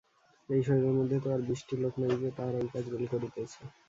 এই শরীরের মধ্যে তো আর বিশটি লোক নাই যে তাহারা ঐ কাজগুলি করিতেছে।